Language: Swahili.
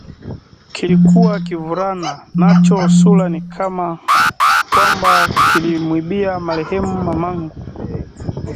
Kilikuwa kivulaa nacho sura ni kana kwamba kilimwibia marehemu mamangu